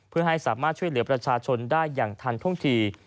เพื่อให้สามารถช่วยเหลือประชาชนได้อย่างทันท่วงที